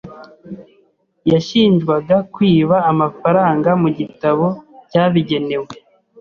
yashinjwaga kwiba amafaranga mu gitabo cyabigenewe.